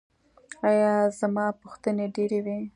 ایا زما پوښتنې ډیرې وې؟